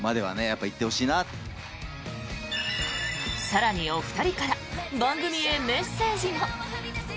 更にお二人から番組へメッセージも。